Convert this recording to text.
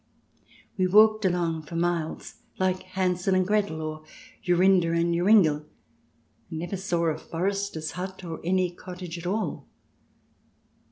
..." We walked along for miles, like Hansel and Gretel, or Jorinde and Joringel, and never saw a forester's hut, or any cottage at all.